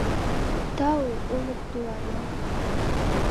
— Тау Олык туларлан